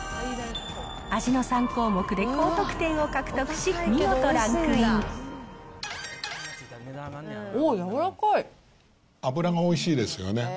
味の３項目で高得点を獲得し、おっ、脂がおいしいですよね。